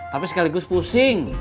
tapi sekaligus pusing